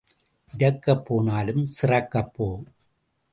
இரக்கப் போனாலும் சிறக்கப் போ.